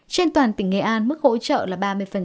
trên toàn tỉnh nghệ an mức hỗ trợ là ba mươi